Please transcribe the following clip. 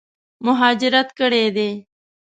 مهاجرت کړی دی.